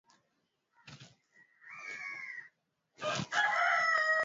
ni yule atakayepata zaidi ya asilimia hamsini